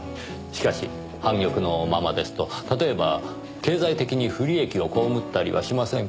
しかし半玉のままですと例えば経済的に不利益を被ったりはしませんか？